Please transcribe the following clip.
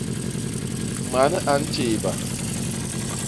Man a ntjééba.